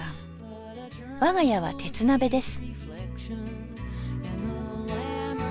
我が家は鉄鍋です。